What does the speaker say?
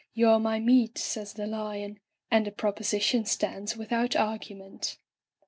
"You're my meat,*' says the lion, and the proposition stands without argument.